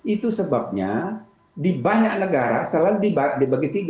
itu sebabnya di banyak negara selalu dibagi tiga